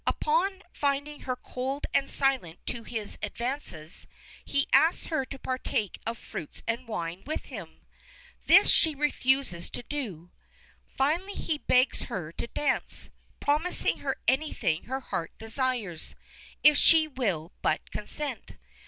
Upon finding her cold and silent to his advances, he asks her to partake of fruits and wine with him. This she refuses to do. Finally he begs her to dance, promising her anything her heart desires, if she will but consent.